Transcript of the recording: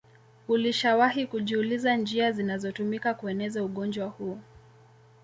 ulishawahi kujiuliza njia zinazotumika kueneza ugonjwa huu